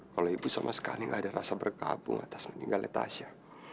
kalau ibu sama sekali gak ada rasa berkabung atas meninggalnya tasya